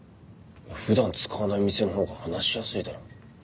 普段使わない店のほうが話しやすいだろ。